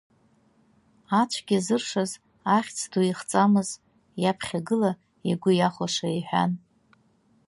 Ацәгьа зыршаз ахьӡ ду ихҵамыз, иаԥхьагыла игәы иаҳәаша иҳәан.